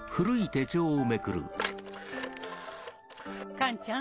勘ちゃん？